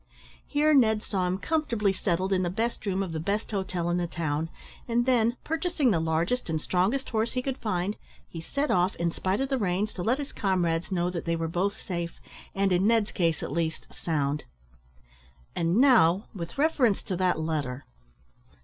Here Ned saw him comfortably settled in the best room of the best hotel in the town, and then, purchasing the largest and strongest horse he could find, he set off, in spite of the rains, to let his comrades know that they were both safe, and, in Ned's case at least, sound. "And, now, with reference to that letter."